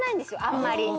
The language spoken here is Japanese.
あんまり。